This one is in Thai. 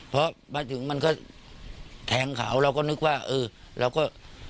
พอมาถึงมันก็แทงเขาเราก็นึกว่าเออเราก็